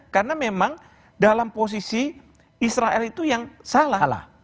karena memang dalam posisi israel itu yang salah